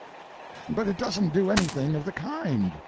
But it doesn't do anything of the kind.